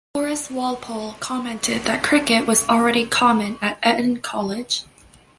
Horace Walpole commented that cricket was already "common" at Eton College.